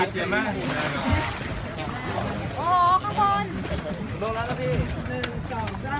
ถือปากการางด้วย